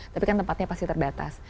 tapi kan tempatnya pasti terbatas